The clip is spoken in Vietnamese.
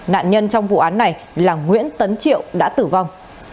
nạn nhân trong vụ án này là nguyễn tấn triệu đã tử vong